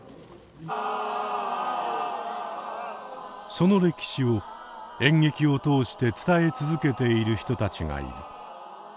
その歴史を演劇を通して伝え続けている人たちがいる。